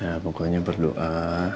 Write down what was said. ya pokoknya berdoa